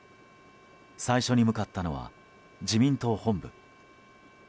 最初に向かったのは自民党本部。